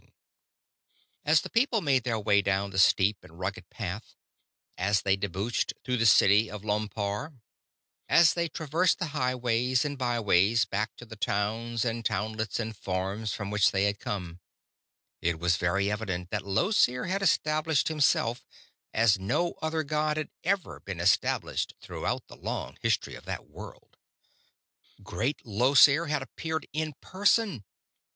And as the people made their way down the steep and rugged path, as they debouched through the city of Lompoar, as they traversed the highways and byways back to the towns and townlets and farms from which they had come, it was very evident that Llosir had established himself as no other god had ever been established throughout the long history of that world. Great Llosir had appeared in person.